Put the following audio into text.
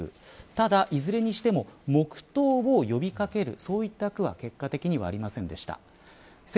ただ、いずれにしても黙とうを呼び掛けるそういった区は結果的にはありませんでした。